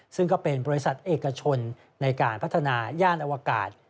ซึ่งก็เป็นบริษัทเอกชนในการพัฒนาย่านอวกาศ